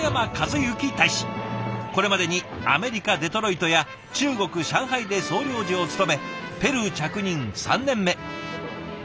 これまでにアメリカ・デトロイトや中国・上海で総領事を務めペルー着任３年目。